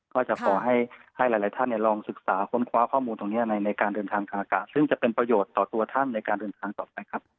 ก็จะขอให้หลายท่านลองศึกษาค้นคว้าข้อมูลตรงนี้ในการเดินทางทางอากาศซึ่งจะเป็นประโยชน์ต่อตัวท่านในการเดินทางต่อไปครับ